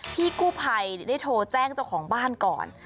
พี่กู้ภัยได้โทรแจ้งเจ้าของบ้านก่อน